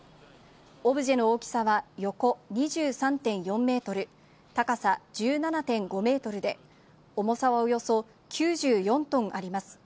オブジェの大きさは横２３．４メートル、高さ１７．５メートルで、重さはおよそ９４トンあります。